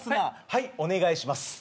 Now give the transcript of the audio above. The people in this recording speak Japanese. はいお願いします。